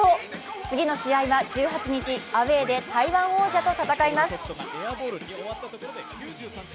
次の試合は１８日、アウェーで台湾王者と戦います。